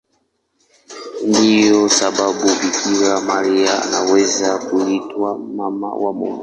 Ndiyo sababu Bikira Maria anaweza kuitwa Mama wa Mungu.